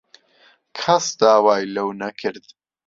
کەس داوای لەو نەکرد.